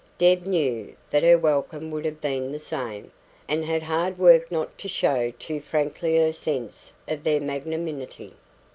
Deb knew that her welcome would have been the same, and had hard work not to show too frankly her sense of their magnanimity.